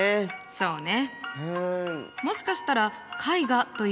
そうね。